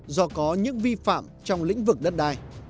do có những vi phạm trong lĩnh vực đất đai